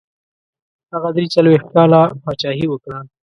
هغه دري څلوېښت کاله پاچهي وکړه.